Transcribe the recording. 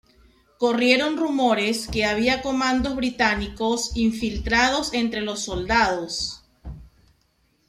Corrieron rumores que había comandos británicos infiltrados entre los soldados.